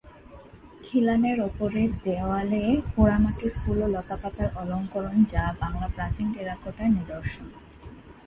খিলানের ওপরে দেওয়ালে পোড়ামাটির ফুল ও লতাপাতার অলংকরণ যা বাংলার প্রাচীন টেরাকোটার নিদর্শন।